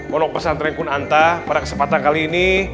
pondok pesantren kunanta pada kesempatan kali ini